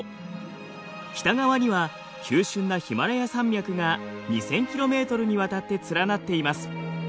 北側には急しゅんなヒマラヤ山脈が２，０００ｋｍにわたって連なっています。